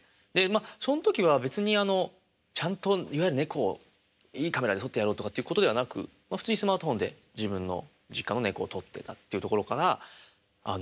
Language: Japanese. その時は別にあのちゃんといわゆる猫をいいカメラで撮ってやろうとかっていうことではなく普通にスマートフォンで自分の実家の猫を撮ってたっていうところから。